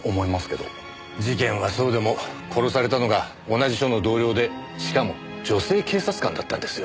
事件はそうでも殺されたのが同じ署の同僚でしかも女性警察官だったんですよ。